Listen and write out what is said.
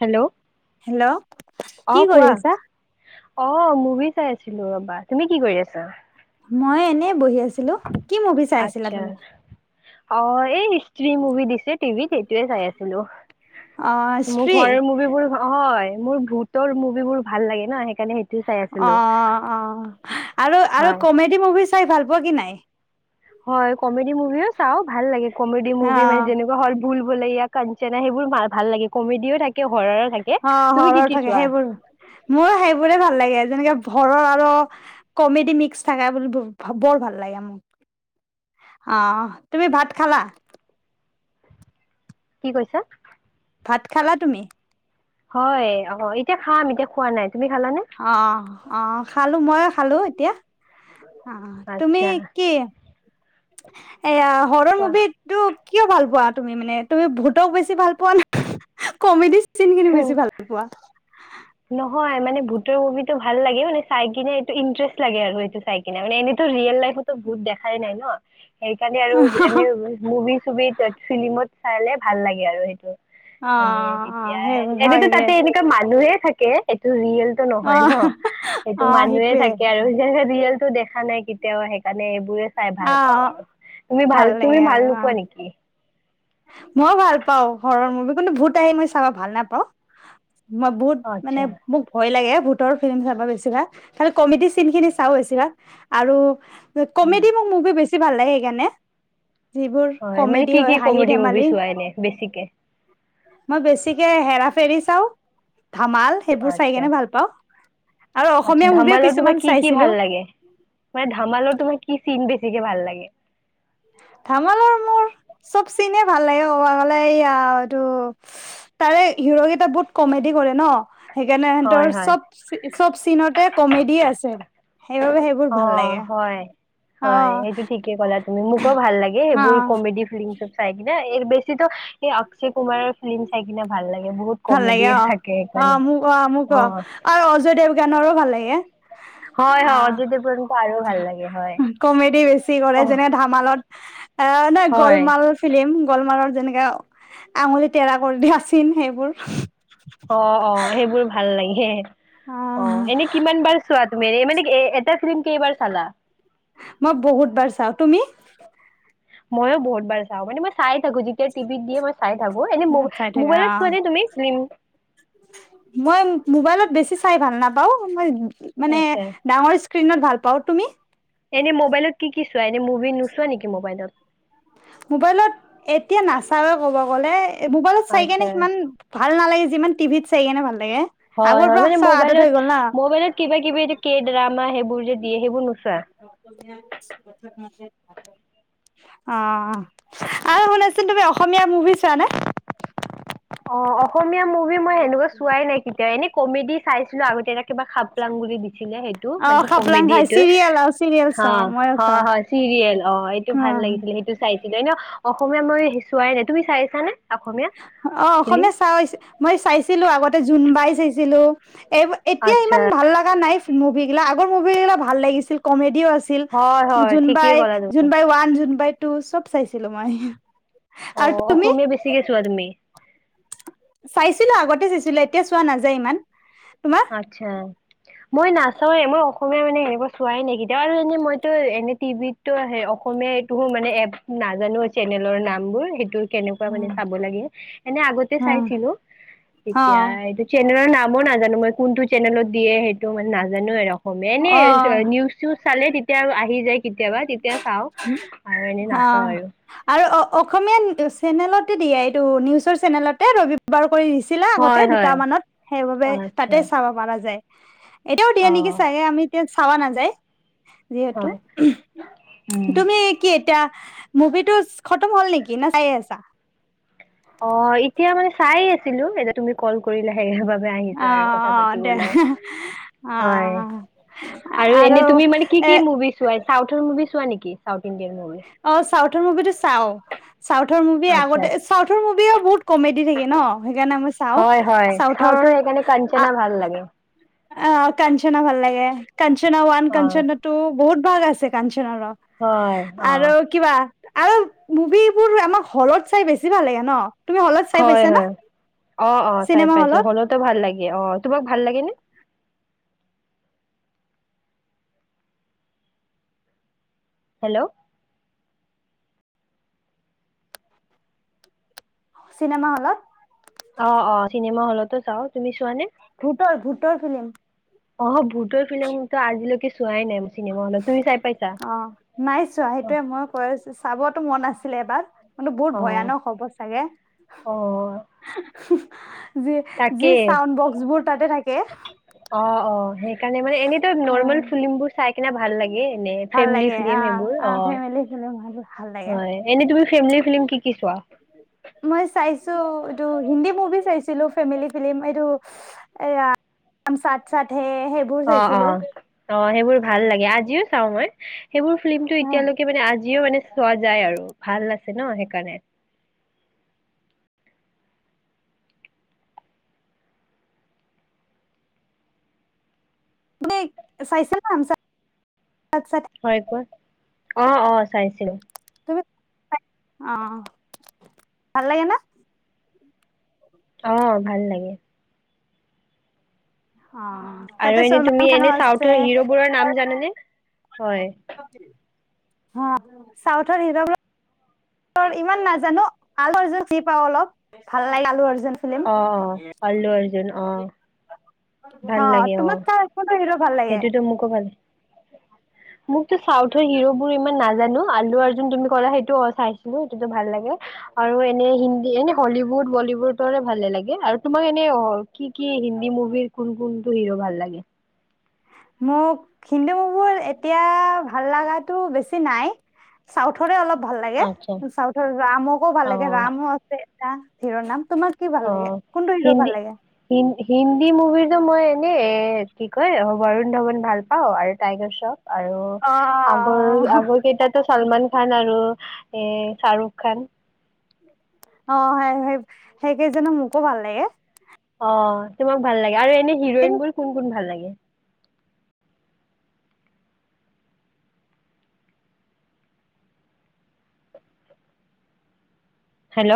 Hello hello কি অহঁ কৰি কোৱা, আছা? অহঁ মুভি চাই আছিলো ৰবাত তুমি কি কৰি আছা। মই এনেই বহি আছিলো কি মভি চাই আছিলা আচ্ছা তুমি অ এই হিষ্ট্ৰি মুভি দিছে টিভিত সেইটোয়ে চাই আছিলো অ' মোৰ স্ত্ৰী ঘৰৰ মুভিবোৰ হয় মোৰ ভূতৰ মুভিবোৰ ভাল লাগে ন সেইকাৰণে সেই অ অ আৰু আৰু হয় কমেডি মুভি চাই ভাল পোৱা কি নাই। হয় কমেডি মুভিও চাওঁ ভাল লাগে কমেডি মুভি মানে অ' যেনেকুৱা হ' ভুল বলীয়া কাঞ্চনা সেইবোৰ ভাল লাগে কমেডিও থাকে ঘৰৰ, অ শৰৰ থাকে সেইবোৰ মোৰ সেইবোৰে ভাল লাগে যেনেকে ঘৰৰ আৰু কমেডি মিক্স থাকে বুলি বৰ ভাল লাগে মোক অ তুমি ভাত খালা কি কৈছা ভাত খালা তুমি? হয় অ এতিয়া খাম এতিয়া খোৱা নাই তুমি খালানে অ অ খালো মই খালো এতিয়া অ তুমি আচ্ছা কি হে এয়া হৰৰ মুভি কোৱা টো কিয় ভাল পোৱা মানে তুমি ভত বেছি ভাল পোৱা ক চিন কিনি বেছি ভাল পোৱা। নহয় মানে ভুতৰ মুভিটো ভাল লাগে মানে চাই কিনে এইটো ইন্টাৰেষ্ট লাগে আৰু সটো চাই কিনে মানে এ এইটো ৰিয়েল লাইফত বুত দেখাই নাই ন সেইকাৰণে আৰু এনে মুভি চুভ ফিল্মত, চাইলে ভাল লাগে। আৰু সেইটো অ মানে তেতিয়া অ সেইবোৰ হয় এনেতো দে তাতে এনেকুৱা মাজ মানুহে থাকে এইটো ৰিয়েল অ নহয় ন অ সেইটো মানুহে সেইটোয়ে থাকে সেইটোয়ে ন জেনেকে টোদেখা নাই কেতিয়াও সেইকাৰণে বোৰে চাই অ ভাল পাওঁ আৰু তুমি ভাল তুমি ভাল নোপোৱা নেকি? মই ভাল পাও ঘৰৰ মু কোনু ভূত আহি মই চাব ভাল নাপাওঁ মই বহুত মানে আচ্ছা মোক ভয় লাগে। ভোতৰ ফিল্ম চাব গৈছিলা, খালি কমেডি চিন খিনি চাও আছিলা আৰু কমেডি, মই মোভি বছি বেছি ভাল লাগে সেইকাৰণে। যিবোৰ হয় মানে কমেডি কি কি হয় হাঁহি কমেডি মুভি ধেমালি চোৱাইনে বেছিকে। মই বেছিকে হেৰা ফেৰি চাও। ধামাল সেইবোৰ চাই আচ্ছা কেনে ভাল পাওঁ। আচ্ছা, ধামালৰ তোমাৰ কি কি চাইছিলো ভাল লাগে, মানে ধামালৰ তোমাৰ কি চিন বেছিকে ভাল লাগে? ধামালৰ মোৰ চব চিনে ভাল লাগে অলে এইয়া এইটো তাৰে হিৰ কেইটা বহুত কমেডি কৰে ন সেইকাৰণে হয় সিহঁতৰ হয় চব চব চিনতে কমেডি আছে। সেইবাবে সেইবোৰ অ ভাল লাগে। হয় অ হয় সেইটো ঠিকে ক'লা তুমি মোকো ভাল লাগে অ সেইবোৰ কমেডি ফিলিম চব চাই কিনে। বেছিতো এই অক্ষয় কুমাৰৰ ফিল্ম চাই কিনে ভাল লাগে। বহুত ভাল কমেডি লাগে অ, থাকে অ সেইকাৰণে মোক অ মোক অ আৰু অজয় দেৱ গানৰো ভাল লাগে অ। হয় হয় অজয় দেৱগণৰ আৰু ভাল লাগে হয়। কি কৰে, অ যেনে ধামালত অ ন হয় গলমালত ফিলিম গ কুমাৰৰ যেনেকা আঙুলি তেৰা কৰি দিয়া চিন সেইবোৰ [inaudible] অ অ সেইবোৰ ভাল লাগে। অ, এনে কিমান বাৰ চোৱা তুমি এ মানে এটা ফিল্ম কেইবাৰ চালা? মই বহুত বাৰ চাও, তুমি? ময়ো বহুত বাৰ চাওঁ মানে মই চাই থাকো যেতিয়া টিভিত দিয়ে ম চাই থাকো এনে ম চাই থাকা মোবাইলত অ চোৱা নে তুমি ফিল্ম মই মোবাইলত বেছি চাই ভাল নাপাও, মই মানে, আচ্ছা ডাঙৰ স্ক্ৰীণত ভাল পাওঁ তুমি? এনে মোবাইলত কি কি এনে মুভি নোচোৱা নেকি মোবাইলত? চাব ক'ব গ'লে এ মোবাইলত চাই কেনে আচ্ছা সিমান ভালাগ যিমান টিত চায়েনে ভাল লাগে হয় আগৰ হয় পৰা মানে চোৱা আদত মোবাইলত হৈ গ'ল না মোবাইলত কিবা কিবি এই কে ড্ৰামা সেইবোৰ যে দিয়ে সেইবোৰ নোচোৱা অ আৰু শুনাছিলোন তুমি অসমীয়া মুভি চোৱানে? অ অসমীয়া মুভি মই সেনেকুৱা চোৱাই নাই কেতিয়া এনে কমেডি চাইছিলো আগতে এটা কিবা খাপ লাংগ বুলি দি সেই অ মানে কমে খাপলাং খাই চিৰিয়েল আৰু চিৰিয়েল চাও মইও চাও চিৰিয়েল অ এইটো ভাল অ লাগিছিলে সেইটো চাই ন অসমীয়া মইচোৱাই নাই তুমি চাইিছা নে অসমীয়া অসমে চা মই চাইছিলো আগত ততে জোন বাই চাইছিলো এই এতিয়া আচ্ছা ইমান ভাল লগা নাই মুভি গিলাক মুভিগিলা ভাল লাগিছিল কমেডিও আছিল হয় হয় ঠিকেই ক'লা [inaudible] তুমি চাইছিলো মায়ে। অ অসমীয়া বেছিকে চোৱা তুমি? পাইছিলো আগতে চাইছিলো এতিয়া চোৱা নাযায় ইমান। তোমাৰ আত্ছা মই নাচাওঁৱে মই। অসমীয়া মানে এনেুৱা চোৱাই নাইকিতি আৰু এনেই মইতো এনেই টিভিততো স অসমীয়া এইটো মানে এপ নাজানো চেনেলৰ নামবোৰ সেইটো মান চ ল এ আগতে অ চাইছিলো তেতিয়া ন মই নাজানো মই কোনটো? চেনেলত দিয়ে সেইটো মানে নাজ জানো এ ৰক মনে অ নিউজ চালে তেতিয়া আহি যায় কেতিয়াবা এতিয়া চাওঁ আৰু এনেই অ নাচওঁ আৰু আৰু অসমীয়া চেনেলতে দিয়া এইটো নিউজৰ চেনেলতে ৰ কৰি আছিলে আগতে হয় দুট হয় মানত সেইবাবে আচ্ছা তাতে চাব পৰাাৰ যায় এতিয়াও দিয়া অ নেকি চাগে আমি তে খাবা নাযায় যিহেতু হয় উম তুমি কি এতিয়া এতিয়া মুভিটো খতম হ'ল নেকি? না চাই আছা। অ এতিয়া চাই আছিলো এতিয়া তুমি কল কৰিলাহে আহ অ দে হয় আহ এনে আৰু তুমি মানে কি এ কি মুভি চোৱা চাউথৰ মুভি চোৱা নেকি? চাউথ ইণ্ডিয়ান মুভি অ চাউথৰ মুভিটো চাও চাউথৰ মুভি আচ্ছা আগতে চাউথৰ মুভিও বহুত কমেডি থাকে ন সেইকাৰণে মই চাওঁ হয় হয় চাউথৰ সেইকাৰণে কাঞ্চনা ভাল লাগে অ কঞ্চনা ভাল লাগে। কঞ্চনা ৱান অ কঞ্চনা টু বহুত ভাগ আছে কাঞ্চ হয় অ আৰু কিবা আৰু মুভিবোৰ আমাক হলত চাই বেছি ভাল লাগে ন। তুমি হলত চাই হয় পাইছা না হয় অ অ চাই চিনেমা পাইছো হলত হলেতো ভাল লাগে অ তোমাক ভাল লাগে নে হেল্ল' চিনেমা হলত অ অ চিনেমা হলতো চাও তুমি চোৱা নে? ভূতৰ ভূতৰ ফিলিম অ ভূতৰ ফিলিম কিটা আজিলৈকে যোৱাই নাই মই চিনেমা হলত তুমি চাই পাইছা অ নাই চোৱা অ সেইটোয়ে মই কৈ আছো চাবতো মন আছিলে এবাৰ কিন্তু বহুত অ ভয়ানক হ'ব চাগে। অ যি যি তাকে চাউণ্ড বক্স বোৰ তাতে থাকে অ অ সেইকাৰণে মানে এনেত অ নৰ্মেল ফিল্মবোৰ চাই ভাল লাগে এনেই ভাল ফেমেলি লাগে অ ফ্লিম হ'লে অ অহ ফেমিলি ফিলিম ভাল লাগে এনেই তুমি ফেমিলি ফিল্ম কি কি চোৱা মই চাইছো এইটো হিন্দী মুভি চাইছিলো ফেমিলি ফ্লিম এইটো হাম চাথ চাথ হে সেইবোৰ অ অ চাইছিলো অ সেইবোৰ ভাল লাগে। আজিও চাও মই সেইবোৰ ফিল্মতটো হা এতিয়ালৈকে মানে আজিও মানে চোৱা যায় আৰু ভাল ল আছে ন [unintelligible] সেইকাৰণে চাইছে ন হাম চাথ হয় কোৱা অ অ চাইছিলো তুমি অ ভাল লাগে না অ ভাল লাগে অ আৰু তাতে এনেই চলমান তুমি খানো এনে চাউথৰ হিৰবোৰৰ নাম জানানে। হয় তি অ চাউথৰ হি ইমান নাজানো আলু পাও অলপ ভাল লাগে আলু। অৰ্জুন ফিল্ম অ অ আ্লু অৰ্জুন অ। ভাল অ লাগে তো ম ক। হিলবোৰক। সেইটোতো মোকো ভাল। মোক তো চাউথৰ হিৰোবোৰ ইমান নাজ। জানো আলু য তুমি কৰা সেইটো চাইছিলো সেইটোতো ভাল লাগে আৰু এনে হিন্দী এনে হলিউড বলিউডৰে ভালে লাগে আৰু তোমাক এনে। কি কি হিন্দী মুভিৰ কোন কোন। হিৰো ভাল লাগে। মোক হিন্দু মবোৰ এতিয়া ভাল লগাটো বেছি নাই চাউথৰে অলপ। ভাল লাগে আচ্ছা চাউথৰ ৰামকো ভাল অ লাগে ৰামো আছে? ধীৰৰ নাম। তোমাক কি ভাল অ লাগে কোনটো হিৰ' ভাল হিন্দী লাগে হিন্দী মুভিৰ। কিু মই এনেই এ কি কয় বৰুণ ধৱন ভাল পাও আৰু টাইগাৰ চও। আৰু অ অ আগৰ আগৰ কেইটাতো? ছলমান খান আৰু এ শ্বাহৰুখ খান। অ হয় সেই কেইজানো মোকো ভাল লাগে। অ তোমাক ভাল লাগে। আৰু এনে হিৰইন বোৰ কোন কোন ভাল লাগে। কি হেল্ল'